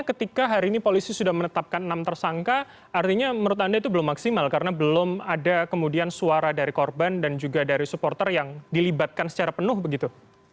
ketika hari ini polisi sudah menetapkan enam tersangka artinya menurut anda itu belum maksimal karena belum ada kemudian suara dari korban dan juga dari supporter yang dilibatkan secara penuh begitu